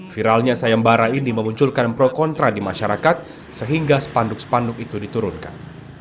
viralnya sayem bara ini memunculkan pro kontra di masyarakat sehingga sepanduk sepanduk itu diturunkan